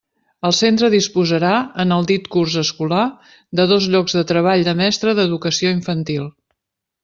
El centre disposarà, en el dit curs escolar, de dos llocs de treball de mestre d'Educació Infantil.